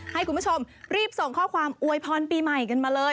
ให้คุณผู้ชมรีบส่งข้อความอวยพรปีใหม่กันมาเลย